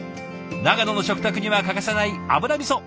長野の食卓には欠かせない油みそ。